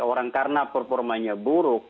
orang karena performanya buruk